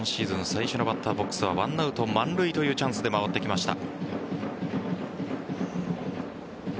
最初のバッターボックスは１アウト満塁というチャンスで回ってきました。